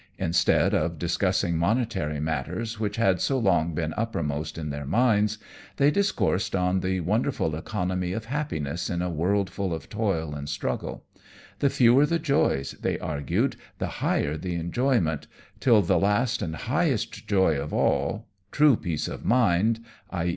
Instead of discussing monetary matters, which had so long been uppermost in their minds, they discoursed on the wonderful economy of happiness in a world full of toil and struggle; the fewer the joys, they argued, the higher the enjoyment, till the last and highest joy of all, true peace of mind, _i.